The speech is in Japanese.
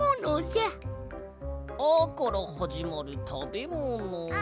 「あ」からはじまるたべもの。